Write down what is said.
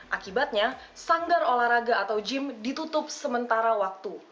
akibatnya sanggar olahraga atau gym ditutup sementara waktu